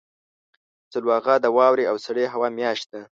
سلواغه د واورې او سړې هوا میاشت ده.